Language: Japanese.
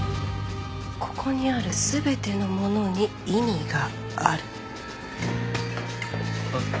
ここにある全てのものに意味がある。